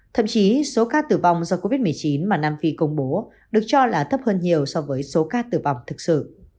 thậm chí số ca tử vong do covid một mươi chín mà nam phi công bố được cho là thấp hơn nhiều so với số ca tử vong thực sự